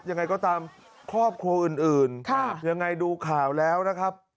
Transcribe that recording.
ยังไงก็ตามครอบครัวอื่นยังไงดูข่าวแล้วนะครับ